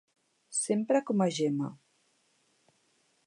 S'empra com a gemma.